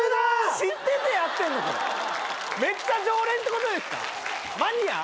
知っててやってんのこれメッチャ常連ってことですかマニア？